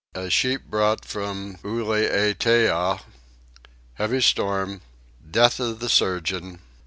A Sheep brought from Ulietea. Heavy Storm. Death of the Surgeon.